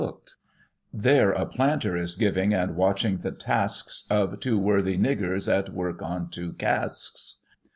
[1840 There a planter is giving and watching the tasks Of two worthy niggers, at work on two casks.